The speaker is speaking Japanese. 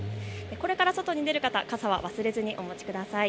これから外に出る方、傘を忘れずにお持ちください。